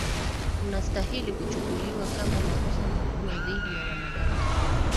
Unastahili kuchukuliwa kama makosa makubwa dhidi ya wanadamu